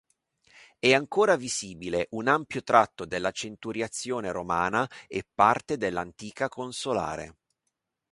È ancora visibile un ampio tratto della centuriazione romana e parte dell'antica consolare.